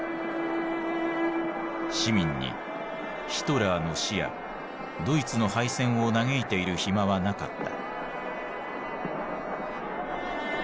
市民にヒトラーの死やドイツの敗戦を嘆いている暇はなかった。